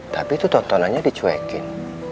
tapi itu tontonannya dicuekin